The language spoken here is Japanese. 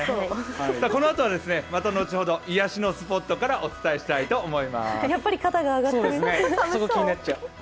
このあとはまた後ほど癒しのスポットからお伝えしたいと思います。